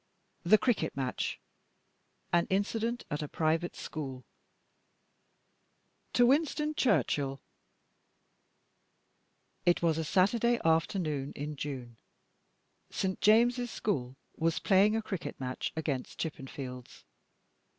THE CRICKET MATCH AN INCIDENT AT A PRIVATE SCHOOL To Winston Churchill It was a Saturday afternoon in June. St. James's School was playing a cricket match against Chippenfield's.